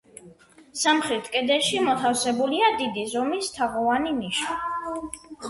სამხრეთ კედელში მოთავსებულია დიდი ზომის თაღოვანი ნიშა.